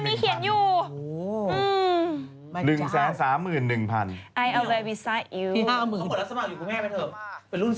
รูปเหรอ